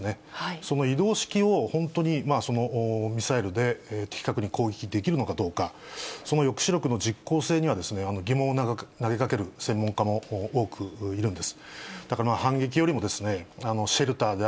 その移動式を本当にミサイルで的確に攻撃できるのかどうか、その抑止力の実効性には疑問を投げかける専門家も多くいるんです。